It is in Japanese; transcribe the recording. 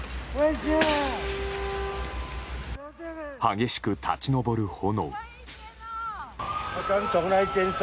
激しく立ち上る炎。